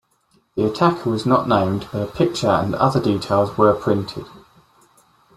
The attacker was not named but a picture and other details were printed.